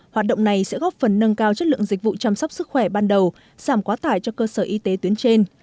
hoạt động này sẽ góp phần nâng cao chất lượng dịch vụ chăm sóc sức khỏe ban đầu giảm quá tải cho cơ sở y tế tuyến trên